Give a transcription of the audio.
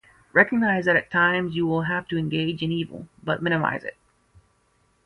Recognize that at times you will have to engage in evil, but minimize it.